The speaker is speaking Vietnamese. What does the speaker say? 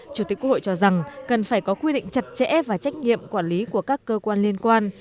chủ tịch quốc hội cho rằng cần phải có quy định chặt chẽ và trách nhiệm quản lý của các cơ quan liên quan